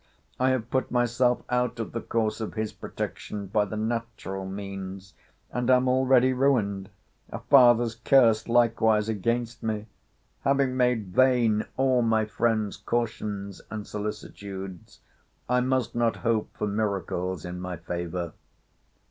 —I have put myself out of the course of his protection by the natural means—and am already ruined! A father's curse likewise against me! Having made vain all my friends' cautions and solicitudes, I must not hope for miracles in my favour!